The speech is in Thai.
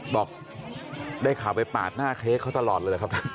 บอกได้ข่าวไปปาดหน้าเค้กเขาตลอดเลยหรือครับท่าน